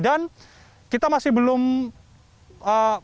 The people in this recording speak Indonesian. dan kita masih belum tahu ada berapa jenazah yang dimakamkan di kawasan ini